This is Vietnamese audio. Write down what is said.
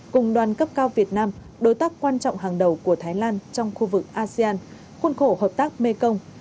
cùng đoàn cấp cao việt nam đối tác quan trọng hàng đầu của thái lan trong khu vực asean khuôn khổ hợp tác mekong